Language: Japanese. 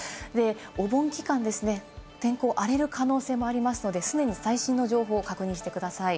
お盆期間ですね、天候、荒れる可能性もありますので、常に最新の情報を確認してください。